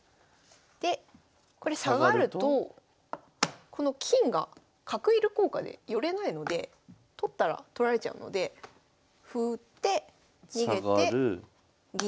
でこれ下がるとこの金が角いる効果で寄れないので取ったら取られちゃうので歩打って下がる。